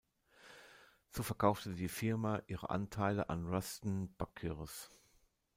So verkaufte die Firma ihre Anteile an Ruston-Bucyrus.